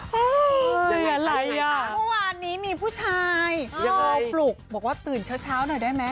บอกเลยว่าวันนี้มีผู้ชายปลุกบอกว่าตื่นเช้าหน่อยได้มั้ย